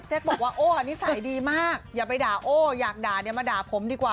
บอกว่าโอ้นิสัยดีมากอย่าไปด่าโอ้อยากด่าเนี่ยมาด่าผมดีกว่า